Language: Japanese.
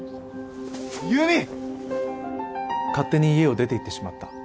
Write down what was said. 勝手に家を出ていってしまった？